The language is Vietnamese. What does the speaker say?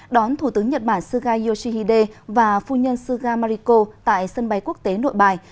đón thủ tướng nhật bản suga yoshihide và phu nhân suga mariko tại sân bay quốc tế nội bài